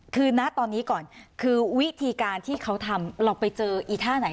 คือณตอนนี้ก่อนคือวิธีการที่เขาทำเราไปเจออีท่าไหน